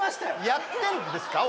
やってんですか？